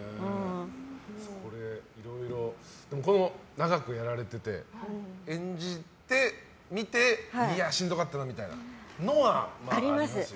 長くやられてて、演じてみてしんどかったなみたいなのはありますよね？あります。